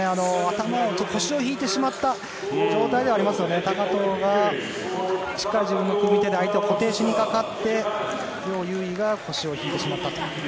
腰を引いてしまった状態ではありますので高藤がしっかり自分の組み手で相手を固定しにかかってヨウ・ユウイが腰を引いてしまったと。